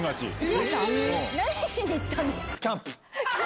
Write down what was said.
何しに行ったんですか？